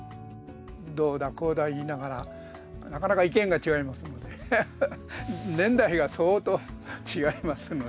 どうだこうだ言いながらなかなか意見が違いますんで年代が相当違いますので。